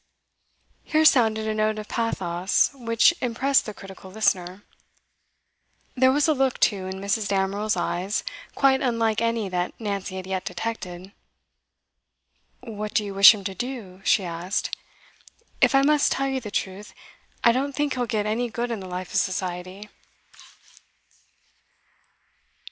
Here sounded a note of pathos which impressed the critical listener. There was a look, too, in Mrs. Damerel's eyes quite unlike any that Nancy had yet detected. 'What do you wish him to do?' she asked. 'If I must tell you the truth, I don't think he'll get any good in the life of society.